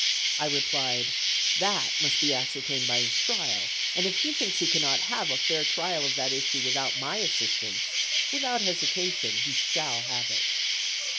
I replied, 'That must be ascertained by his trial, and if he thinks he cannot have a fair trial of that issue without my assistance, without hesitation, he shall have it.'